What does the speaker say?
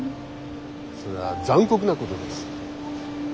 それは残酷なことです。